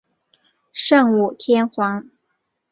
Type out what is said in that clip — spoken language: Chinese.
圣武天皇。